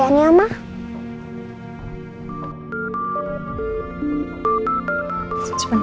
mamanya mas nino telfon aku